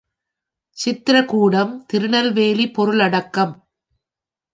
Chitrakoot Tirunelveli பொருளடக்கம்